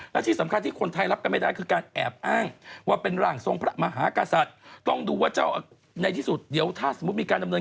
และที่สำคัญที่คนทายรับกันไม่ได้คือการแอบอ้างว่าเป็นร่างทรงพระมหากษัตริย์